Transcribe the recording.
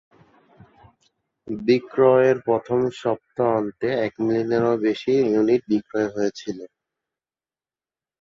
বিক্রয়ের প্রথম সপ্তাহান্তে, এক মিলিয়নেরও বেশি ইউনিট বিক্রি হয়েছিল।